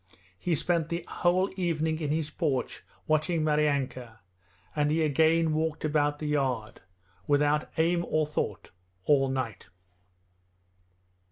He spent the whole evening in his porch watching Maryanka, and he again walked about the yard, without aim or thought, all night.